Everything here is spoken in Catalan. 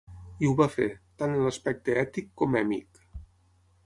I ho va fer, tant en l'aspecte ètic com èmic.